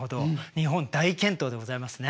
日本大健闘でございますね。